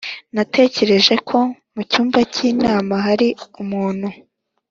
natekereje ko mucyumba cy'inama hari umuntu.